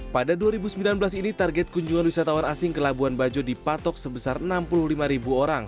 pada dua ribu sembilan belas ini target kunjungan wisatawan asing ke labuan bajo dipatok sebesar enam puluh lima ribu orang